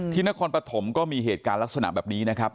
นครปฐมก็มีเหตุการณ์ลักษณะแบบนี้นะครับ